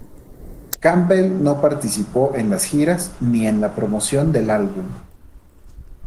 Campbell no participó en las giras ni en la promoción del álbum.